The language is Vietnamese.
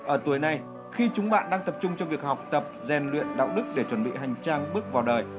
ở tuổi này khi chúng bạn đang tập trung cho việc học tập gian luyện đạo đức để chuẩn bị hành trang bước vào đời